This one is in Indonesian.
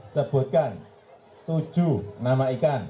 sebutkan tujuh nama ikan